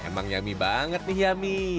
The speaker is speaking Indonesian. emang nyami banget nih yami